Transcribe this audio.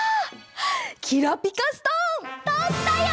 きらぴかストーンとったよ！